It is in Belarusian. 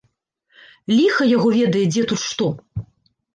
Ліха яго ведае, дзе тут што.